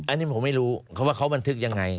อันนี้ผมไม่รู้เขาว่าเขาบันทึกยังไง